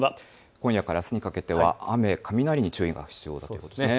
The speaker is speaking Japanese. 今夜からあすにかけては雨、雷に注意が必要ですね。